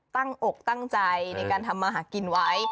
อกตั้งใจในการทำมาหากินไว้